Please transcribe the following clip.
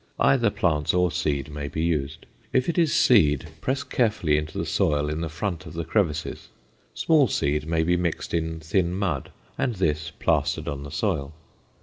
Either plants or seed may be used. If it is seed, press carefully into the soil in the front of the crevices. Small seed may be mixed in thin mud and this plastered on the soil.